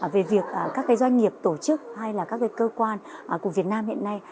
về việc các doanh nghiệp tổ chức hay là các cơ quan của việt nam hiện nay